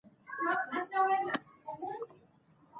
انګور د افغان کلتور سره تړاو لري.